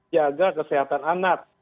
jaga kesehatan anak